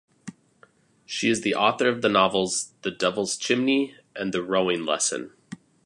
She is the author of the novels "The Devil's Chimney" and "The Rowing Lesson".